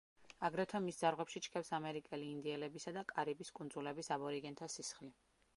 აგრეთვე მის ძარღვებში ჩქეფს ამერიკელი ინდიელებისა და კარიბის კუნძულების აბორიგენთა სისხლი.